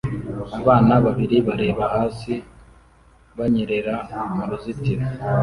Abana babiri bareba hasi banyerera mu ruzitiro